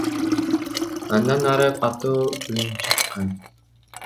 Андан ары катуу үн чыккан.